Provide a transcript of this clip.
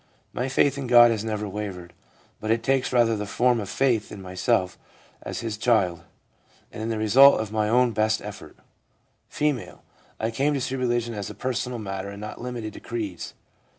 My faith in God has never wavered, but it takes rather the form of faith in myself as His child, and in the result of my own best effort/ F. ' I came to see religion as a personal matter and not limited to creeds.'